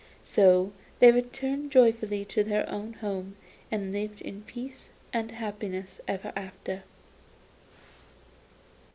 So they returned joyfully to their own home, and lived in peace and happiness ever after.